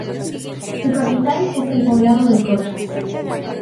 Su capital es el poblado de Cochas.